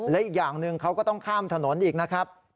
และอีกอย่างหนึ่งเขาก็ต้องข้ามถนนอีกนะครับ